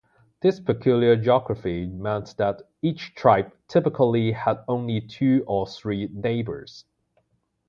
This peculiar geography meant that each tribe typically had only two or three neighbours.